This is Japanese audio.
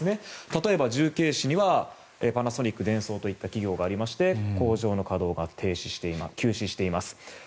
例えば重慶市にはパナソニック、デンソーといった企業がありまして工場の稼働が休止しています。